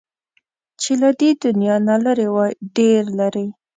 چې له دې دنيا نه لرې وای، ډېر لرې